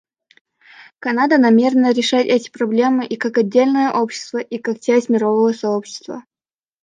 Канада намерена решать эти проблемы и как отдельное общество и как часть мирового сообщества.